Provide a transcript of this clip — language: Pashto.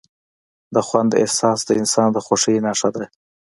د خوند احساس د انسان د خوښۍ نښه ده.